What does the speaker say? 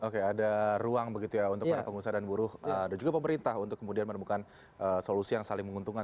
oke ada ruang begitu ya untuk para pengusaha dan buruh dan juga pemerintah untuk kemudian menemukan solusi yang saling menguntungkan